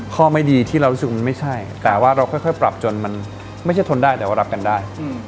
ข้อไม่ดีที่เรารู้สึกมันไม่ใช่แต่ว่าเราค่อยปรับจนมันไม่ใช่ทนได้แต่ว่ารับกันได้